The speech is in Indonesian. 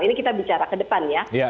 ini kita bicara ke depan ya